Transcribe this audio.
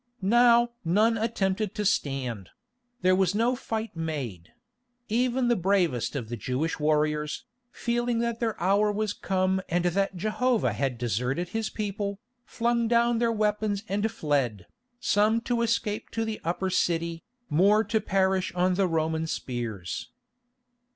Now none attempted to stand; there was no fight made; even the bravest of the Jewish warriors, feeling that their hour was come and that Jehovah had deserted His people, flung down their weapons and fled, some to escape to the Upper City, more to perish on the Roman spears.